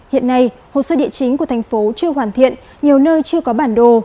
hiện nay hồ sơ địa chính của thành phố chưa hoàn thiện nhiều nơi chưa có bản đồ